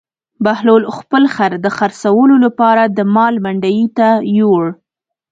بهلول خپل خر د خرڅولو لپاره د مال منډي ته یووړ.